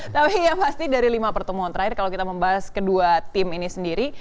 tapi yang pasti dari lima pertemuan terakhir kalau kita membahas kedua tim ini sendiri